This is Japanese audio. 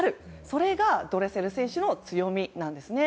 それがドレセル選手の強みなんですね。